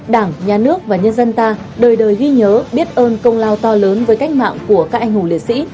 đảng nhà nước và nhân dân ta đời đời ghi nhớ biết ơn công lao to lớn với cách mạng của các anh hùng liệt sĩ